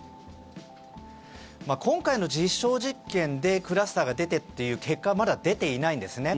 今回の実証実験でクラスターが出てという結果はまだ出ていないんですね。